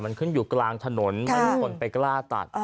มันขึ้นอยู่กลางถนนไม่มีคนไปกล้าตัด